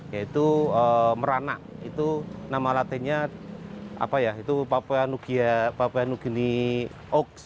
yaitu merana itu nama latinnya papua nugini oaks